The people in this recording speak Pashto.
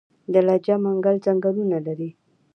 د لجه منګل ځنګلونه لري